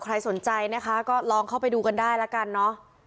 ใครสนใจนะคะก็ลองเข้าไปดูกันได้ละกันเนอะ